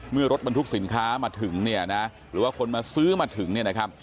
เมื่อรถบรรทุกสินค้ามาถึงเนี่ยนะหรือว่าคนมาซื้อมาถึงเนี่ยนะครับ